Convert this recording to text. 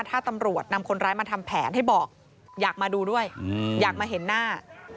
ถ้าตำรวจนำคนร้ายมาทำแผนให้บอกอยากมาดูด้วยอยากมาเห็นหน้า